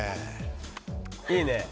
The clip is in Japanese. いいね。